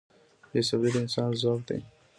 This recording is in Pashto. • بې صبري د انسان ضعف دی.